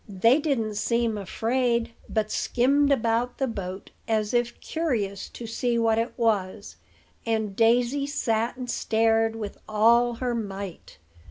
They didn't seem afraid, but skimmed about the boat, as if curious to see what it was; and Daisy sat, and stared with all her might.